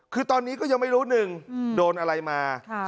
คือตอนนี้ก็ยังไม่รู้หนึ่งโดนอะไรมา